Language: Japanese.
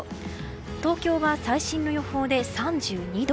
東京は最新の予報で３２度。